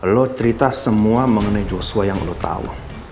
lo cerita semua mengenai joshua yang lo tahu